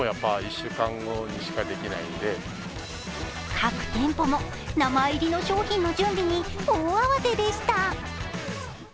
各店舗も名前入りの商品の準備に大慌てでした。